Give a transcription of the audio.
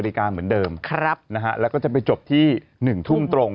นาฬิกาเหมือนเดิมครับนะฮะแล้วก็จะไปจบที่๑ทุ่มตรง